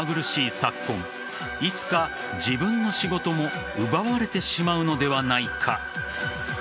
昨今いつか、自分の仕事も奪われてしまうのではないか。